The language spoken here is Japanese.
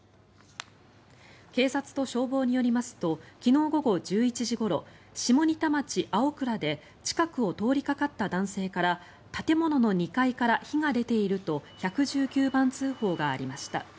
警察と消防によりますと昨日午後１１時ごろ下仁田町青倉で近くを通りかかった男性から建物の２階から火が出ていると１１９番通報がありました。